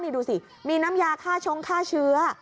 นี่ดูสิมีน้ำยาฆ่าชงฆ่าเชื้อ